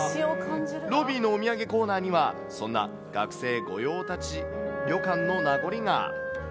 ロビーのお土産コーナーには、そんな学生御用達旅館の名残が。